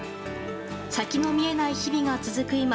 先の見えない日々が続く